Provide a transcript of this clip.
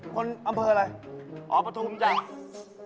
คนอำเภออะไรอ๋อประธุมิตรจักร